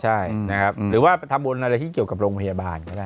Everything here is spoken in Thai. ใช่หรือว่าทำบุญอะไรแบบโรงพยาบาลก็ได้